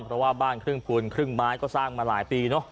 เพราะว่าบ้านครึ่งปูนครึ่งไม้ก็สร้างมาหลายปีเนอะ